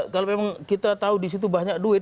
kalau memang kita tahu disitu banyak duit